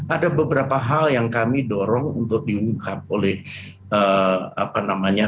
ada beberapa hal yang kami dorong untuk diungkap oleh apa namanya